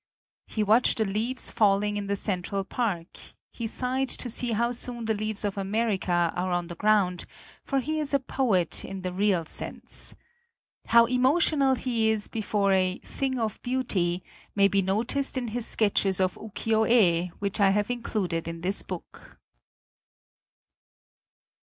He watched the leaves falling in the Central Park; he sighed to see how soon the leaves of America are on the ground, for he is a poet in the real sense. How emotional he is before a "thing of beauty" may be noticed in his sketches of Ukiyoe, which I have included in this book.